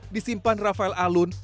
disimpan rafael alun